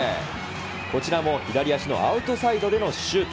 こちらも左足のアウトサイドでのシュート。